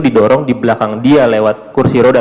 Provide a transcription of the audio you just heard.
didorong di belakang dia lewat kursi roda